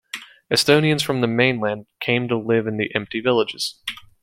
Estonians from the mainland came to live in the empty villages.